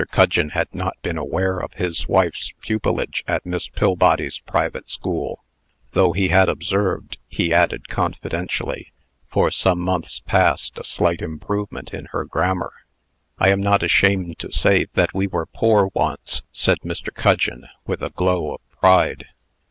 Gudgeon had not been aware of his wife's pupilage at Miss Pillbody's private school, though he had observed (he added, confidentially), for some months past, a slight improvement in her grammar. "I am not ashamed to say that we were poor once," said Mr. Gudgeon, with a glow of pride.